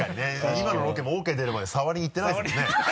今のロケもＯＫ出るまで触りにいってないですもんね。